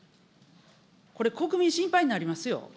これ、国民心配になりますよ。